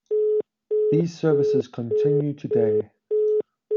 These services continue today.